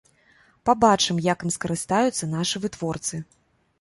Пабачым, як ім скарыстаюцца нашы вытворцы.